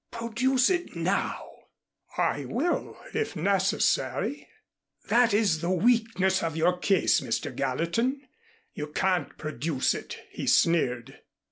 "Produce it now " "I will, if necessary." "That is the weakness of your case, Mr. Gallatin; you can't produce it," he sneered.